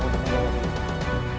untuk menjaga diri